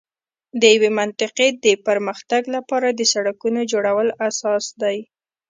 د یوې منطقې د پر مختګ لپاره د سړکونو جوړول اساس دی.